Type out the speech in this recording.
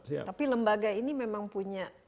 tapi lembaga ini memang punya